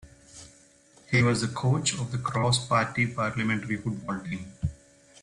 He was the coach of the cross-party parliamentary football team.